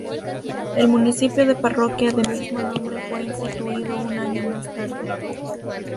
El municipio de parroquia de mismo nombre fue instituido un año más tarde.